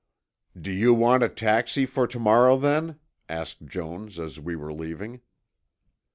"Do you want a taxi for to morrow, then?" asked Jones, as we were leaving.